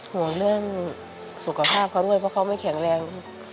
ห่วงเรื่องสุขภาพเขาด้วยเพราะเขาไม่แข็งแรง